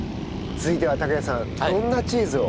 続いては拓也さんどんなチーズを？